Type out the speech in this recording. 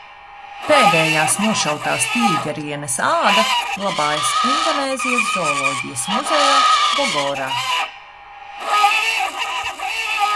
Pēdējās nošautās tīģerienes āda glabājas Indonēzijas Zooloģijas muzejā Bogorā.